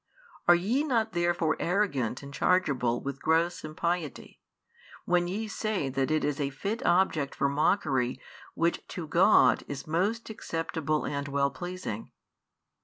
Are ye not therefore arrogant and chargeable with gross impiety, when ye say that is a fit object for mockery which to God is most acceptable and well pleasing?